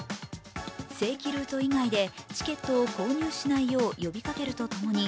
正規ルート以外でチケットを購入しないよう呼びかけるとともに、